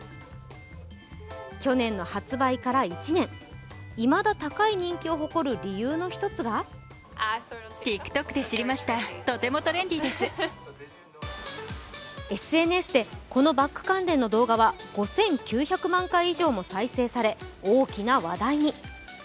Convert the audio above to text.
去年の発売から１年、いまだ高い人気を誇る理由の一つがＳＮＳでこのバッグ関連の動画は５９００万回以上も再生され大きな話題に。